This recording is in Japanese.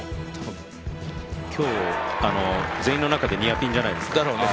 多分今日、全員の中でニアピンじゃないですか。